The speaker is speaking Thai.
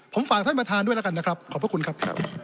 ผมฝากท่านประธานด้วยแล้วกันนะครับขอบพระคุณครับ